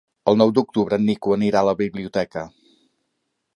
El nou d'octubre en Nico anirà a la biblioteca.